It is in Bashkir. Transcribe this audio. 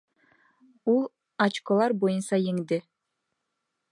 Ул очколар буйынса еңде